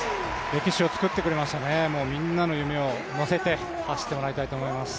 歴史を作ってくれましたね、みんなの夢を乗せて走ってもらいたいと思います。